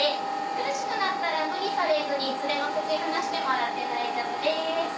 苦しくなったら無理されずにいつでも口離してもらって大丈夫です。